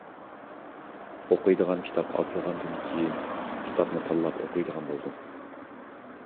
ئوقۇيدىغان كىتاب ئازلىغاندىن كىيىن كىتابنى تاللاپ ئوقۇيدىغان بولدۇم.